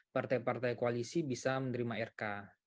partai partai koalisi bisa menerima rk